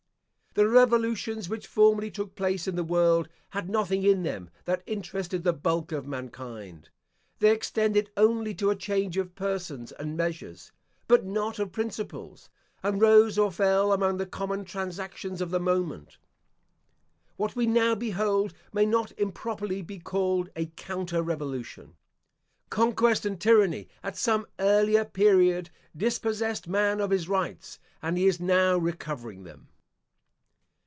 The revolutions which formerly took place in the world had nothing in them that interested the bulk of mankind. They extended only to a change of persons and measures, but not of principles, and rose or fell among the common transactions of the moment. What we now behold may not improperly be called a "counter revolution." Conquest and tyranny, at some earlier period, dispossessed man of his rights, and he is now recovering them.